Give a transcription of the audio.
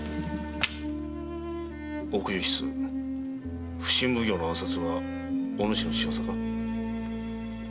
奥右筆普請奉行の暗殺はお主の仕業か？